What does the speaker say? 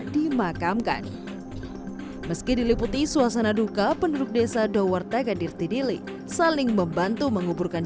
dimakamkan meski diliputi suasana duka penduduk desa dowartegadirtidili saling membantu menguburkan